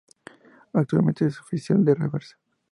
Actualmente es oficial de reserva.